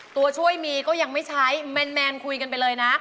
ตัวช่วยมีก็ยังไม่ใช้แมนคุยกันไปเลยนะ